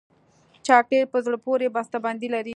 چاکلېټ په زړه پورې بسته بندي لري.